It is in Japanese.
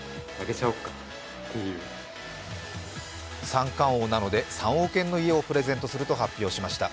三冠王なので３億円の家をプレゼントすると発表しました。